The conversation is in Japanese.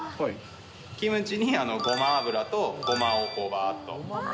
キムチにごま油とごまをばーっと。